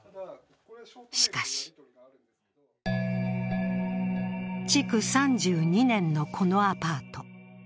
しかし築３２年のこのアパート。